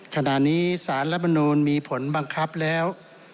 ขณะนี้สารรัฐมนูลมีผลบังคับแล้ว